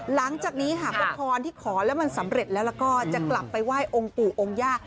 หลังจากนี้หากว่าพรที่ขอแล้วมันสำเร็จแล้วก็จะกลับไปไหว้องค์ปู่องค์ย่า